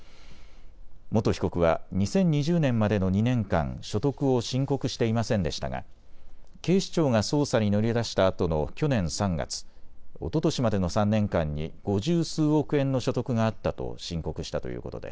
元被告は２０２０年までの２年間、所得を申告していませんでしたが警視庁が捜査に乗り出したあとの去年３月、おととしまでの３年間に五十数億円の所得があったと申告したということです。